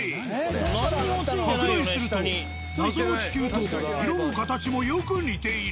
拡大すると謎の気球と色も形もよく似ている。